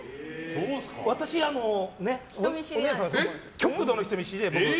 私、極度の人見知りで。